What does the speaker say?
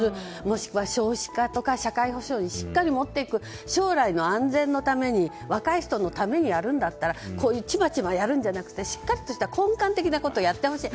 もしくは少子化とか社会保障にしっかり持っていく将来の安全のために若い人のためにやるんだったらちまちまとやるんじゃなくてしっかりとした根幹的なことをやってほしい。